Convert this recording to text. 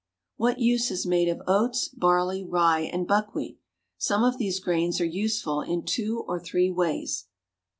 What use is made of oats; barley, rye, and buckwheat? Some of these grains are useful in two or three ways.